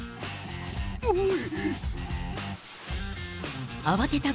おい！